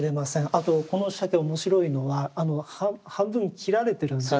あとこの鮭面白いのは半分切られてるんですよね。